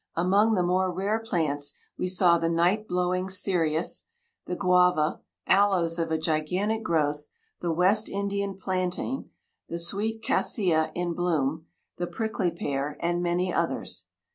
Among the more rare plants we saw the night blowing cereas, the guava, aloes of a gigantic growth, the West India plantain, the sweet cassia in bloom, the prickly pear, and many others.